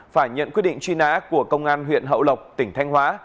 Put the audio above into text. phải nhận quyết định truy nã của công an huyện hậu lộc tỉnh thanh hóa